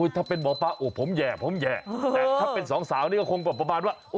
ถ้าเป็นหมอป๊าผมแย่แต่ถ้าเป็นสองสาวนี้ก็คงประมาณว่า